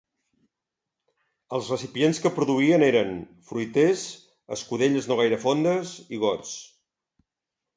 Els recipients que produïen eren: fruiters, escudelles no gaire fondes i gots.